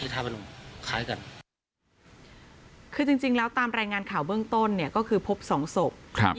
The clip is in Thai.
ตามรายงานข่าวเบื้องต้นก็คือพบสองศพ